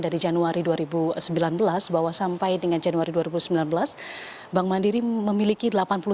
dari januari dua ribu sembilan belas bahwa sampai dengan januari dua ribu sembilan belas bank mandiri memiliki delapan puluh sembilan